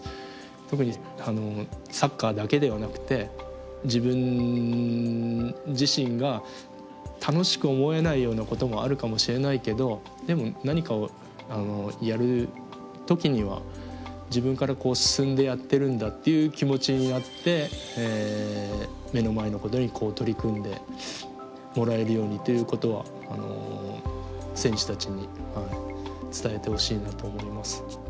特にサッカーだけではなくて自分自身が楽しく思えないようなこともあるかもしれないけどでも何かをやる時には自分から進んでやってるんだっていう気持ちになって目の前のことに取り組んでもらえるようにということは選手たちに伝えてほしいなと思います。